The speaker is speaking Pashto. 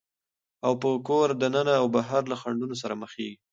او په کوره دننه او بهر له خنډونو سره مخېږي،